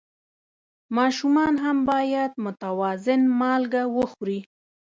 ماشومان هم باید متوازن مالګه وخوري.